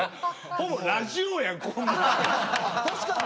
ほぼラジオやんここまで。